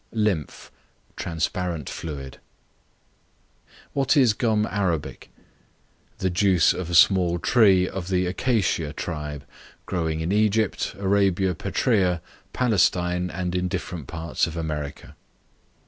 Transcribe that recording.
Lymph, transparent fluid. What is Gum Arabic? The juice of a small tree of the Acacia tribe, growing in Egypt, Arabia Petræa, Palestine, and in different parts of America.